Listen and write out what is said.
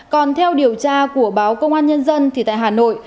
còn theo điều tra của báo công an nhân dân thì tại hà nội